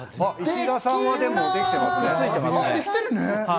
石田さんはできてますね。